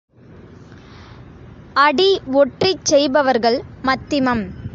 அடி ஒற்றிச் செய்பவர்கள் மத்திமம்.